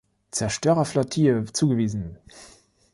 Zerstörerflottille zugewiesen.